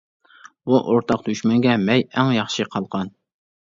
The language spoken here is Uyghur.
بۇ ئورتاق دۈشمەنگە مەي ئەڭ ياخشى قالقان.